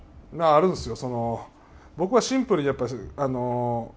あるんですよ。